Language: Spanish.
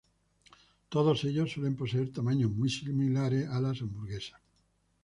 Todos ellos suelen poseer tamaños muy similares a las hamburguesas.